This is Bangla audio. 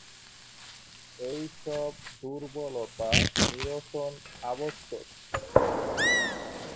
এ সব দুর্বলতা নিরসন আবশ্যক।